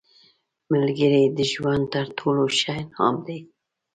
ملګری د ژوند تر ټولو ښه انعام دی